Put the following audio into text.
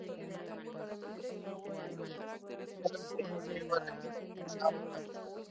Para cada autor: "Atlas español de la Cultura Popular.